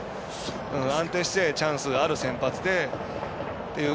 安定してチャンスがある先発でという。